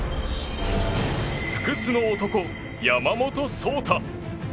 不屈の男・山本草太。